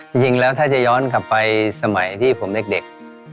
จริงแล้วถ้าจะย้อนกลับไปสมัยที่ผมเด็ก